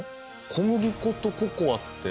小麦粉とココアって。